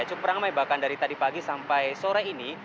cukup ramai bahkan dari tadi pagi sampai sore ini